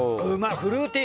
フルーティー！